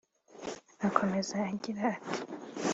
akomeza agira ati